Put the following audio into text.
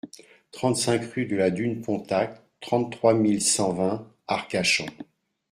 trente-cinq rue de la Dune Pontac, trente-trois mille cent vingt Arcachon